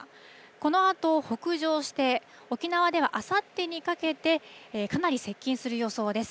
このあと北上して、沖縄ではあさってにかけて、かなり接近する予想です。